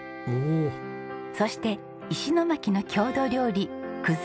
そして石巻の郷土料理くずかけ。